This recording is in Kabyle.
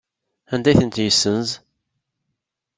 Anda ay ten-yessenz?